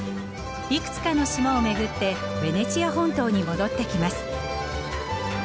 いくつかの島を巡ってベネチア本島に戻ってきます。